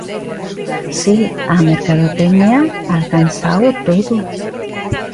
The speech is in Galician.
Si, a mercadotecnia alcánzao todo.